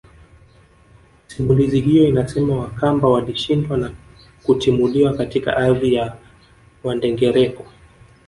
Simulizi hiyo inasema Wakamba walishindwa na kutimuliwa katika ardhi ya Wandengereko